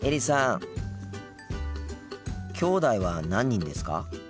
きょうだいは何人ですか？